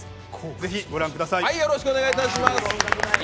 ぜひご覧ください。